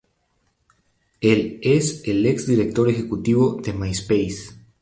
Él es el ex director ejecutivo de MySpace.